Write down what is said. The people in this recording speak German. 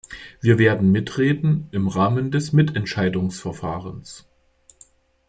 Wir werden mitreden im Rahmen des Mitentscheidungsverfahrens.